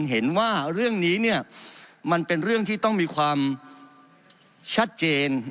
เห็นว่าเรื่องนี้เนี่ยมันเป็นเรื่องที่ต้องมีความชัดเจน